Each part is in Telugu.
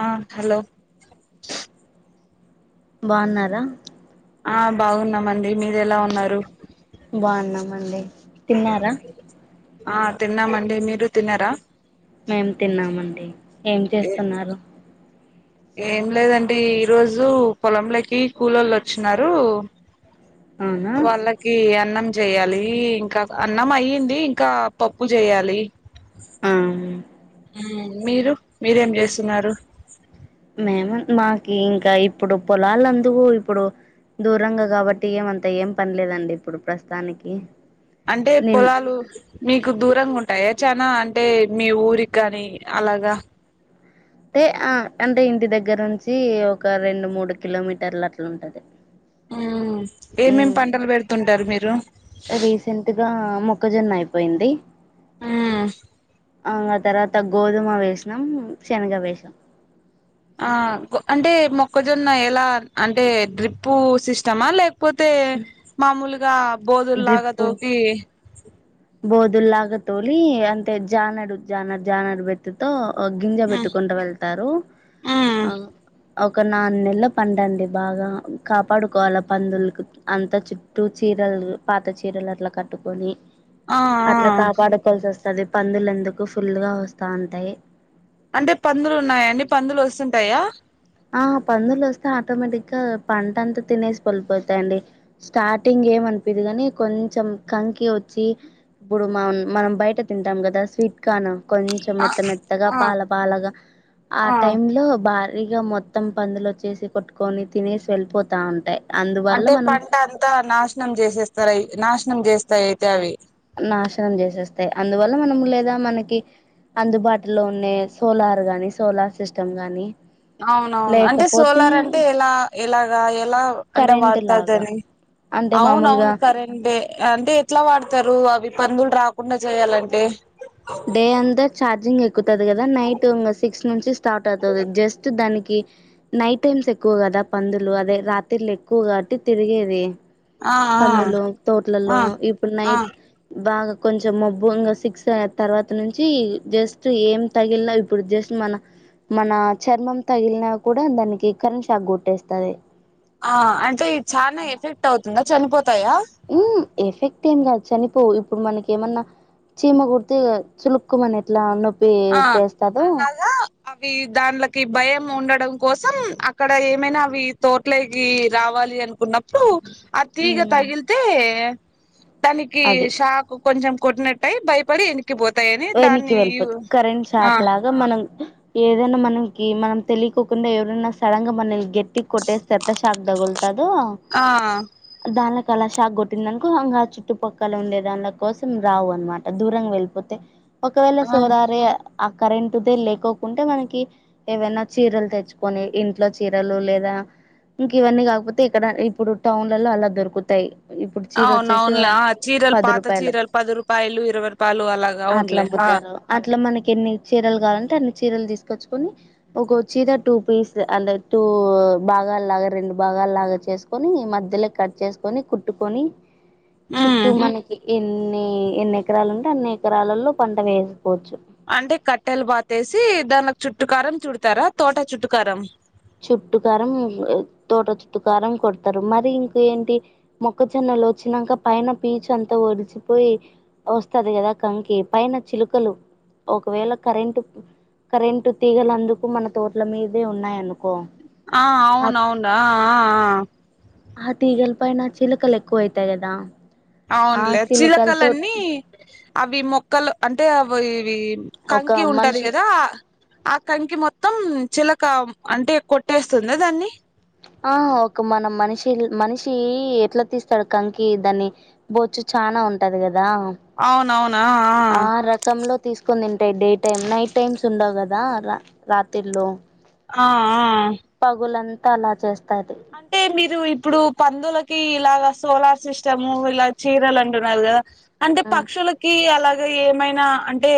ఆ హలో బాగున్నారా ఆ బాగున్నాంమండి మీరు ఎలా ఉన్నారు మడి తిన్నారా ఆ తిన్నామండి మీరు తిన్నర మేం తిన్నామండి ఏం ఏ చేస్తున్నారు ఏం లేదండి ఈ రోజు పొలంలోకి కూలళ వచ్చినరూ అవునా వాళ్ళకి అన్నం చేయాలి ఇంకా అన్నం అయ్యింది ఇంకా పప్పు చేయాలి ఆ మీరు మీరేం చేస్తున్నారు మేము మాకి ఇంకా ఇప్పుడు పొలాలందుకు ఇప్పుడు దూరంగా కాబట్టి ఏమంతా ఏం పనిలేదండి ఇప్పుడు ప్రస్తుతానికి అంటే నిన్ పొలాలు మీకు దూరంగా ఉంటాయ చనా అంటే మీ ఊరికి కాని అలాగా అయి ఆ అంటే ఇంటి దగ్గర నుంచి ఒక రెండు మూడు కిలోమీటర్లు అట్లా ఉంటది ఆ ఏమేమి ఉమ్ పంటలు పెడుతుంటారు మీరు రీసెంట్ గా మొక్కజొన్న అయిపోయింది ఆ ఆ తర్వాత గోధుమ వేసినాం శనగ వసాం ఆ అంటే మొక్కజొన్న ఎలా అంటే డ్రిప్పు సిస్టమా లే పోతే మామూలుగా డ్రిప్పు బోదుల్లాగదుకి బోదుల్లాగా తోలి అంటే జానడు జానర్ జానర్ బెత్తుతో గింజ ఉమ్ పెట్టుకుంటూ వెళ్తారు ఉమ్ ఆ ఒక నగు నెలలు పండండి బాగా కాపాడుకోవాలి పందులకు అంతా చుట్టూ చీరలు పాత చీరలు అట్లా కట్టుకొని ఆ ఆ అట్లా కాపాడుకోవాల్సి వస్తుది పందులు ఎందుకు ఫుల్గా వస్తూ ఉంటాయి అంటే పందులు ఉన్నాయాండి పందులు వస్తుంటాయా ఆ పందులు వస్తే ఆటోమేటిక్ గా పంట అంతా తినేసి పళపోతాయిండి స్టార్టింగ్ ఏమనిపిది కాగాని కొంచెం కంకి వచ్చి ఇప్పుడు మ మనం బయట తింటాం కదా స్వీట్ కాన్ కొంచెం ఆ మెత్త మెత్తగా ఆ పాల పాలగా ఆ టై లో భార ఇక మత్ మొత్తం పందులు వచ్చేసి కొట్టుకొని తినేసి వెళ్ళిపోతా ఉంటాయి అందువల్ల అంటే మనం పంట అంతా నాశనం చేసేస్తారువి నాశన నం చేస్తాయి అయితే అవి నాశనం చేసేస్తాయి అందువల్ల మనం లేదా మనకి అందుబాటులో ఉండే సోలార్ గాని సోలార్ సిస్టమ్ గాని అవునవును అంటే లేకపోతే సోలార్ అంటే ఎలా ఎలాగా ఎప్ ఎలా అంటే కరెంట్ వాడతారు లాగా దాన్ని అంటే మామూలుగా అవునవును కరెంటే అంటే ఎట్లా వాడతారు అవి పందులు రాకుండా చేయాలంటే డే అంతా చార్జింగ్ ఎక్ క్కుతది కదా నైట్ ఇంగ సిక్స్ నుంచి స్టార్ట్ అవుతది జస్ట్ దానికి నైట్ టైమ్స్ ఎక్కువ కదా పందులు అదే రాతిర్లు ఎక్కువ కాబట్టి తిరిగేది ఆ ఆ పందులూ ఆ తోట్లలో ఇప్పుడు ఆ నైట్ బాగ కొంచెం మబ్బు ఇంకా సిక్స్ అయిన తర్వాత నుంచి జస్ట్ ఏం తగిల్నా ఇప్పుడు జస్ట్ మన మన చర్మం తగిలినా కూడా దానికి కరెంట్ షాక్ కొట్టేస్తాది ఆ అంటే ఇది చాలా ఎఫెక్ట్ అవుతుందా, చనిపోత్ హ్మ్ ఎఫెక్ట్ ఏం కాద్ చనిపోవు ఇప్పుడు మనకి ఏమన్నా చీమ కుడితే, చునుక్ మన ఎట్లా అన్న ఆ అలాగా అవి దాంన్లకి భయం ఉండడం. కోసం అక్కడ ఏమైనా అవి తోట్లకి రావాలి అనుకున్నప్పుడు ఆ తీగ ఉమ్ తగిల్తే దానికి అది షాక్ కొంచెం కొట్టినట్టయ్ భయపడి ఎనిక్ క్కి పోతాయని వెనక్కి దాన్ని యూ వెళ్ళిపోతుంది కరెంట్ షాక్ లాగా మనం ఏదైనా మనకి మనం తెలియకోకుండా ఎవరైన్నా సడన్ గా మన గెట్ గెట్టిగ్ కొట్టేస్తర్త సాక్ దగల్తాడో ఆ దాన్లక్ కళా షాక్ కొట్టిందనుకో ఇగా చుట్టుపక్కల ఉండేదాన్ల కోసం రావు అనమాట దూరంగా వెళ్ళిపోతై. ఒకవేళ ఆ సొరరే ఆ కరెంట్ దే లేకోకుంటే మనకి ఏవైనా చీరలు తెచ్చుకొని ఇంట్లో చీరలు లేదా ఇంక ఇవన్నీ కాకపోతే ఇక్కడ ఇప్పుడు టౌన్లలో అలా దొరుకుతాయి ఇప్పుడు చీర వచ్చేసి అవున్నావునులే ఆ చీరలు పది పాత రూపాయలు చీరలు పది రూపాయలు ఇరవై రూపాయలు అలాగా అట్లా అవునులే ఆ అమ్ముతారు అట్లా మనకి ఎన్ని చీరలు కావాలంటే అన్ని చీరలు తీసుకు కొచ్చుకొని ఒకచ్చీద టూ పీస్ అంటే టూ భాగాల్లాగా రెండు భాగాల్లాగా చేసుకొని మధ్యల కట్ చేసుకొని కుట్టుకొని ఉమ్ చుట్టూ మనకీ ఏన్ న్నీ ఎన్ని ఎకరాలు ఉంటే అన్నీ ఎకరాలలో పంటను వేసుకోవచ్చు అంటే కట్టెలు పాతేసీ దాంట్ల చుట్టు కారం చుడతారా తోట చుట్టు కారం చుట్టుకారం తోట చుట్టుకారం కొడతరు మరీ ఇంకేంటి మొక్కజొన్నలు వచ్చినంక పైన పీచంతా ఒడిచిపోయి వస్తది కదా కంకీ పైన చిలుకలు ఒకవేళ కరెంటు కరెంటు తీగలందుకు మన తోటల మీదే ఉన్నాయను కో ఆ అవునవును ఆ ఆ ఆ ఆ తీగల్ పైన చిలకలు ఎక్కువ ఐతయి కదా ఆ అవునులే చిలుకలతో చిలకలన్నీ అవి మొక్కల్ అంటే అవి ఇవీ ఒక కంకీ ఉంటది మనిషి గదా ఆ కంకీ మొత్ తో మొత్తం చిలక అంటే కొట్టేస్తుందా దాన్నీ ఆ ఒక మనం మనిషి మనిషీ ఎట్ల తీస్తడు కంకి దాన్ని బొచ్చు చానా ఉంటది గదా అవునవున్ ఆ రకంలో తీసుకొని తిన్ టే డే టైమ్ నైట్ టైమ్స్ ఉండవు గదా రా రాతిర్ లో ఆ ఆ తలా చేస్ అంటే మీరు ఇప్ ప్పుడు పందులకి ఇలాగ సోలార్ సిస్టము ఇలా చీరలు అంటున్నారు గదా అంటే పక్షులకి అలా ఏమైనా అంటే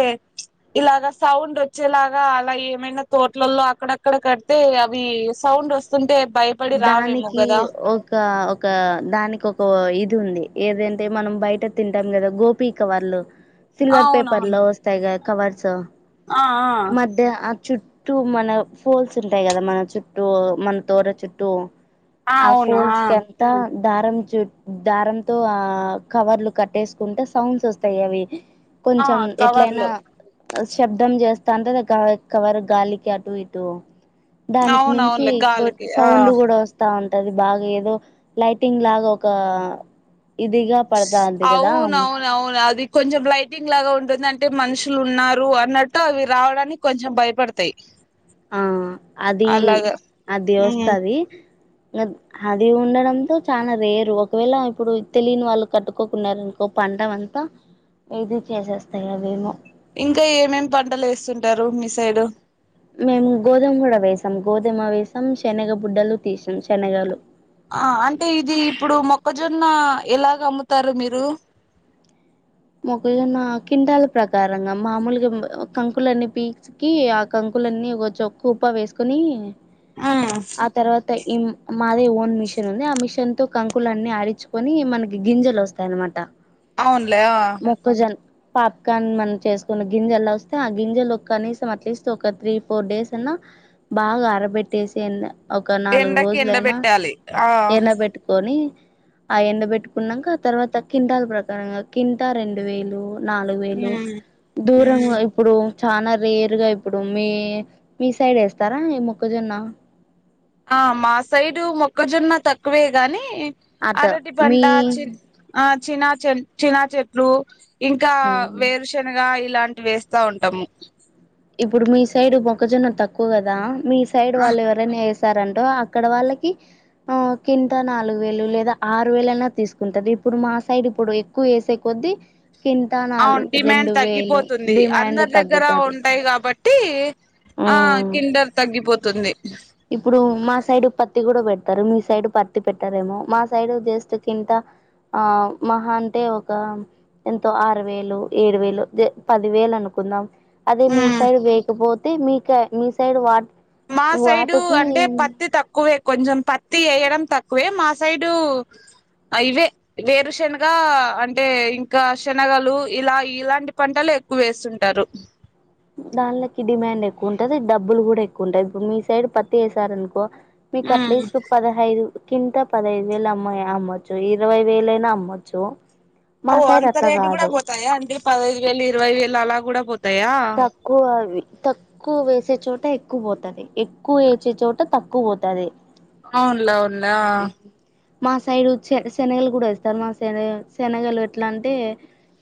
ఇలాగా సౌండ్ వచ్చేలాగా అలా ఏమైనా తోట్లల్లో అక్కడక్కడ కడితే అవి సౌండ్ వస్తుంటే బై దానికీ ఒక ఒ క దానికి ఒక ఇది ఉంది ఏదంటే మనం బయట తింటాం గదా గోపీ కవర్లు సిల్వర్ పేపర్ అవునవును లో వస్తాయి గా కవర్సు ఆ ఆ మధ్య ఆ చుట్ ట్టూ మన ఫోల్స్ ఉంటాయి గదా మన చుట్టూ మన తోర చుట్ ట్టూ ఆ అవును ఆ ఫోల్స్ కి అంతా దారం చుట్ దారంతో ఆ కవర్లు కట్టేసుకుంటే సౌండ్స్ వస్తాయి అవి ఆ కొంచం ఎట్లైనా కవర్లు శబ్దం చేస్తాంటె అది కవరు గాలికి అటూ ఇటూ దానికి మించీ అవునవునులే గోస్ గాలికి ఆ సౌండ్ కూడా వస్తా ఉం అది బాగా ఏదో లైటింగ్ లాగా ఒకా అవునవునవును అది కొంచెం లైటింగ్ లాగా ఉంటుందం టే మనుషులున్నారు అన్నట్టు అవి రావడానికి కొంచెం భయపడతాయి ఆ అదీ అలాగా ఉమ్ అదేవస్థది నద్ అది ఉండడంతో చాలా రేరు ఒకవేళ ఇప్పుడు తెలియని వాళ్ళు కట్టుకోకున్నారనుకో పంట అంతా ఇది చేసేస్తాయి అవేమో ఇంకా ఏమేమేం పంటలు ఎస్తుంటారు మీ సైడ్ మేము గోదుమ కూడా వేసాం గోదుమ వేసాం శనగ బుడ్డలు తీసాం శనగలు ఆ అంటే ఇది ఇప్పుడు మొక్కజొన్న ఎలాగ అమ్ముతారు మీరు మొక్కజొన్న క్వింటాల ప్రకారంగా మామూలుగా కంకులన్నీ పీకీ ఆ కంకులన్నీ ఒక చో కుప్ప వేసుకొని ఉమ్ ఆ తర్వాత ఈ మాదే ఓన్ మిషన్ ఉంది ఆ మిషన్ తో కంకులన్నీ ఆడించుకొని మనకి గింజలు వస్తాయి అన్నమాట అవును మొక్కజన్ పాప్కార్న్ మన చేసుకున్న గింజలొస్తే ఆ గింజలు కనీసం అట్లీస్ట్ ఒక త్రీ ఫోర్ డేస్ అన్నా బాగా ఆరబెట్టేసెయెల్ల ఒక్క నాలుగు ఎండకి ఎండ రోజులైనా పెట్టాలి ఆ ఎండబెట్టుకొని ఆ ఎండ ఎండబెట్టుకున్నంక తర్వాత క్వింటాల్ ప్రకారంగా కి త రెండు వేలు నాలుగు వేలు ఉమ్ ఉమ్ దూరంగా ఇప్పుడు చనా రేరుగా ఇప్పుడు మీ మీ సైడేస్తారా ఈ మొక్కజొన్న ఆ మా సైడు మొక్కజొన్న తక్కువే గాని అట అరటి పంట మీ చి ఆ చినా చెన్ చినా చెట్లు ఇంకా ఉమ్ వేరుశనగా ఇ ఇలాంటివి వేస్తా ఉంటాము ఇప్పుడు మీ సైడు మొక్కజొన్న తక్కువ గదా మీ సైడు ఆ వాళ్ళు ఎవరన్నా ఏస్ స్తారంటో అక్కడ వాళ్ళకి ఆ కింటా నాలుగు వేలు లేదా ఆరు వేలన్నా తీసుకుంటారు ఇప్పుడు మా సైడ్ ఇప్పుడు ఎక్కువ ఏసే కొద్దీ కింటా నాలు అవును డిమాండ్ రెండు వేలు తగ్గిపోతుంది డిమాండ్ అందరి దగ్గర తగ్గుతది. ఉంటాయి కాబట్టి ఆ ఉమ్ కిండర్ తగ్గిపోతుంది. ఇప్పుడు మా సైడ్ పత్తి కూడా పెడతారు మీ సైడ్ పత్తి పెట్టారేమో మా సైడ్ జస్ట్ కింటా ఆ మహా అంటే ఒక ఎంతో ఆరు వేలు ఏడు వేలు జె పది వేలు అనుకుందాం. అదే ఉమ్ మీసైడ్ వేయక పో తే మీకై మీ సైడ్ వా మా సైడ్ డు అంటే పత్తి తక్కువే కొంచెం పత్తి ఏయడం తక్కువే మా సైడు ఆ ఇవే వేరుషెనగగా అంటే ఇంకా షనగలు ఇలా ఇలాంటి పంటలేక్కువ వేసుంటారు దాన్లకి డిమాండెక్కువుంటది డబ్బులు గూడా ఎక్కువుంటయ్ ఇప్పుడు మీ సైడ్ పత్తి ఏసారనుకో ఉమ్ మీకట్లీస్టు పదహైదు కింత పదఐదు వేలమ్మ అమ్మయ్ అమ్మొచ్చు ఇరవై వేలైనా అమ్మొచ్చు మా ఓ సైడ్ అంత అట్లా రేటు గూడా కాదు బోతాయా అండి పదఐదు వేలు ఇరవై వేలు అలా గూడ పో తక్కువ అవి తక్కువ్వేసే చోట ఎక్కువ పోతది ఎక్కువ ఏచే చోట తక్కువ పోతాది అవున్లే అవున్లే ఆ మా సైడు చస్ శనగలు గూడా వేస్తారు మా సైరు శనగలు ఎట్లాంటే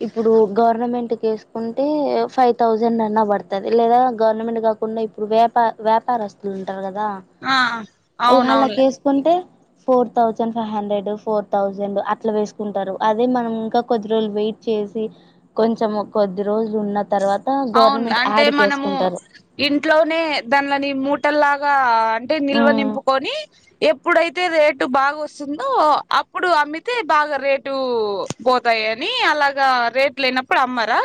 ఇప్పుడు గవర్నమెంట్ కేస్కుంటే ఫైవ్ థౌజండన్నా బడతది లేదా గవర్నమెంట్ కాకుండా ఇప్పుడు వ్యాపార వేపారస్తులుంటారు గ దా ఆ, ఊ అవునవునులే వాళ్లకేసుకుంటే four thousand five hundred four thousand అట్లా వేస్కుంటారు అదే మనమింకా కొద్ది రోల్లు వెయిట్చేసి కొంచెము కొద్ది రోజ్లున్న తర్వ అవున్లే అంటే మనము ఇంట్లోనే దాన్లని మూటల్లా లాగా అంటే నిల్వ ఉమ్ నింపుకోని ఎప్పుడైతే రేటు బాగొస్తుందో అప్పుడు అమ్మితే బాగా రేటూ బోతాయని అలాగ రేట్ లేనప్పుడు అమ్మరా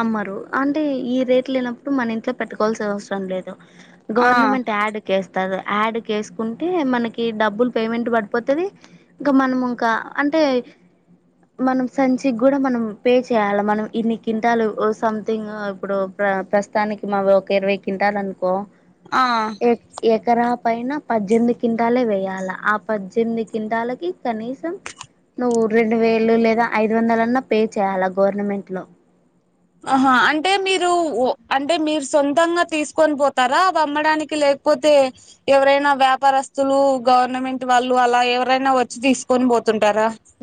అమ్మరు అంటే ఈ రేట్లేనప్పుడు మన ఇంట్లో పెట్టుకోవాల్సిన అవసరం లేదు ఆ గవర్నమెంట్ యాడ్ కేస్ తదు యాడ్ కేస్కుంటే మనకీ డబ్బులు పేమెంట్ పడిపోతది ఇక మనముంకా అంటే మనం సంచిగ్గూడా మనం పే చేయాలా మనం ఇన్ని కింటాలు ఓ సంథింగ్ ఇప్పుడు ప్ర ప్రస్తానికి మావొక ఇరవై కింటాలనుకో ఆ ఎక్ ఎక్ కరా పైన పజ్జెంది కింటాల్లే వెయ్యాల ఆ పజ్జెంది కింటాలకి కనీసం నువ్వు రెండు వేలు లేదా ఐదు వందలన్నా పే చేయ్యాల గవర్నమెంట్ లో ఆహా అంటే మీరు, ఓ అంటే మీరు సొంతంగా తీస్కోన్ పోతారా అవమ్మడానికి లేకపోతే ఎవరైనా వ్యాపారస్తులు గవర్నమెంట్ వాళ్ళు అలా ఎవరైనా వచ్చి తీస్కొని పో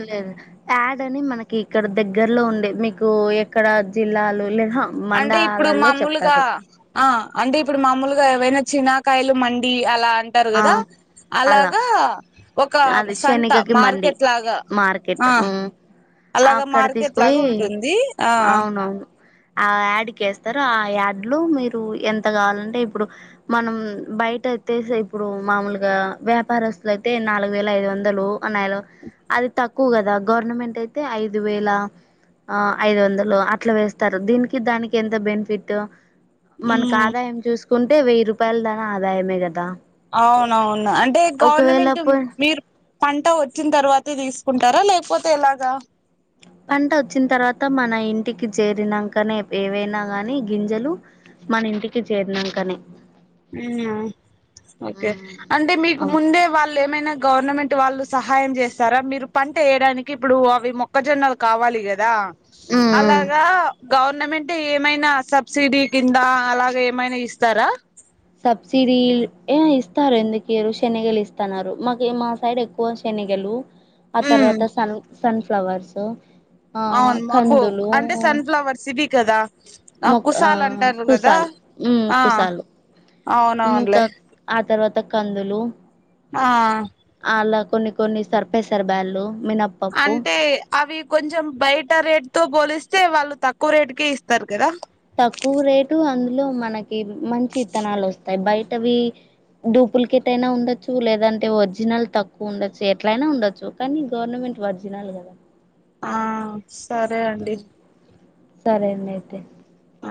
లేదు యాడ్ అని మనకి క్కడ దగ్గర్లో ఉండే మీకు ఎక్కడ జిల్లాలు లే అంటే ఇప్పుడు మామూలుగా ఆ అంటే ఇప్పుడు మామూల్గా ఏవైనా చినాకాయలు మండి అలా అంటారు ఆ గదా అలా అలాగ ఒక అది సంత శనిగకి మండి మార్కెట్ లాగా మార్కెట్ ఆ అలాగ అక్కడ మార్కెట్ లాగా తీసుపోయి ఉంటుంది ఆ ఆవి యాడ్ కేస్తరు ఆ యాడ్లు మీరు ఎంత గావాలంటే ఇప్పుడు మనం బయటెత్తేసే ఇప్పుడు మామూలుగా వ్యాపారస్తులైతే నాలుగు వేల ఐదు వందలు ఉన్నాయిలు అది తక్కువ గదా గవర్నమెంట్ ఐతే ఐదు వేల ఆ ఐదు వందలు అట్లా వేస్తారు దీనికి దానికి ఎంత బెనిఫిట్టు ఉమ్ మనకాదాయం చూస్కొన్ని టే వెయ్యి రూపాయలదాయినా ఆదాయమే కదా అవును అవును అంటే ఒకవేళ గవర్నమెంట్ పో మీర్ పంట వచ్చిన తర్వాతే తీసుకుంటారా లేకపోతే ఎలాగా పంట వచ్చిన తర్వాత మన ఇంటికి చేరినంకనే ఏవైనా గాని గింజలు మన ఇంటికి చేరినంకనే. అవ్నా ఓకే అంటే మీకు ముందే వాళ్ళు ఏమైనా గవర్నమెంట్ వాళ్ళు సహాయం చేస్తారా? మీరు పంట వేయడానికి ఇప్పుడు అవి మొక్కజొన్నలు కావాలి కదా. అలాగా గౌ వర్నమెంట్ ఏమైనా సబ్సిడీ కింద అలాగ ఏమైనా ఇస్తారా సబ్సిడీ ఏ ఇస్తారు ఎందుకు ఈయరు శనగలు ఇస్తన్నారు మాకు మా సైడ్ ఎక్కువ శనగలు ఆ ఉమ్ తర్వాత స సన్ఫ్లవర్సు అవును మాకు అంటే సన్ఫ్లవర్స్ ఇవి కదా ము ఆ కుసాలు అంటారు కదా కుసాలు ఆ కుసాలు అవునవునులే ముకా ఆ తర్వాత పెద్ద కందులు ఆ అలా కొన్ని కొన్ని సర్పేశారుబాగులు అంటే అవి కొంచెం బయట రేటు తో పోలిస్తే వాళ్ళు తక్కువ రేటుకే ఇస్తారు కదా తక్కువ రేటు అందులో మనకి మంచి విత్తనాలు వస్తాయి బయట అవి డూప్లికేట్ అయినా ఉండొచ్చు లేదంటే ఒరిజినల్ తక్కువ ఉండొచ్చు ఎట్లయినా ఉండొచ్చు కానీ గవర్నమెంట్ ఒరిజినల్ కదా ఆ సరే అండి సరే అండి అయితే అ